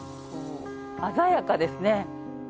鮮やかですね。